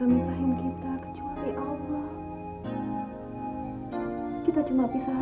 om masih mau temanan sama nisa